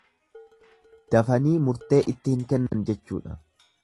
Dafanii murtee itti hin kennan jechuudha.